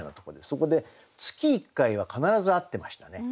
そこで月１回は必ず会ってましたね。